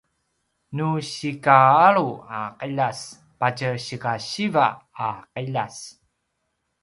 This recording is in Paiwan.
nu sikaalu a qiljas patje sikasiva a qiljas